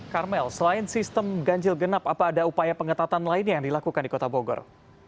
karmel selain sistem ganjil genap apa ada upaya pengetatan lainnya yang dilakukan di kota bogor